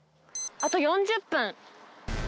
あと４０分。